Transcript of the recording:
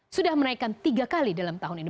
sudah menaikkan tiga kali dalam tahun ini